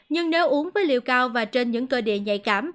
nhưng nếu uống với liều cao và trên những cơ địa nhạy cảm